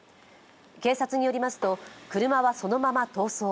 警察によりますと、車はそのまま逃走。